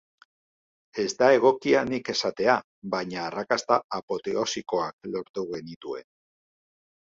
Ez da egokia nik esatea, baina arrakasta apoteosikoak lortu genituen.